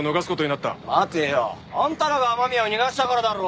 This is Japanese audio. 待てよ。あんたらが雨宮を逃がしたからだろ！